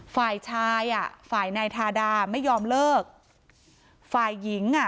ฝ่ายชายอ่ะฝ่ายนายทาดาไม่ยอมเลิกฝ่ายหญิงอ่ะ